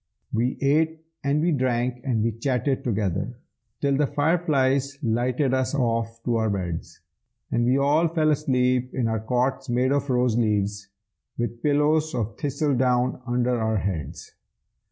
We ate and we drank and we chatted together, Till the fireflies lighted us off to our beds; And we all fell asleep in our cots made of rose leaves, With pillows of thistledown under our heads.